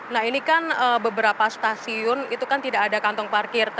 nah ini kan beberapa stasiun itu kan tidak ada kantong parkir